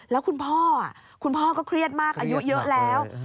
แล้วคุณพ่อคุณพ่อก็เครียดมากอายุเยอะแล้ว